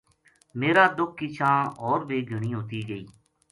میرا دُکھ کی چھاں ہور بے گھنی ہوتی گئی